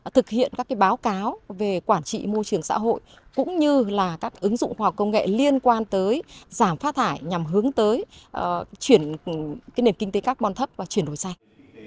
thực hiện các báo cáo về quản trị môi trường xã hội cũng như là các ứng dụng khoa học công nghệ liên quan tới giảm phát thải nhằm hướng tới chuyển nền kinh tế carbon thấp và chuyển đổi xanh